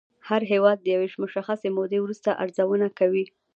هر هېواد د یوې مشخصې مودې وروسته ارزونه کوي